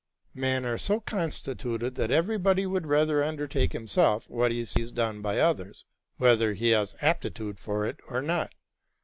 Men are so constituted that everybody would rather under take himself what he sees done by others, whether he has aptitude for it or not.